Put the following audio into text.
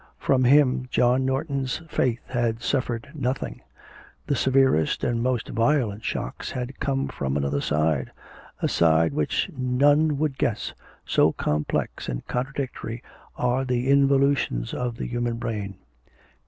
From him John Norton's faith had suffered nothing; the severest and most violent shocks had come from another side a side which none would guess, so complex and contradictory are the involutions of the human brain.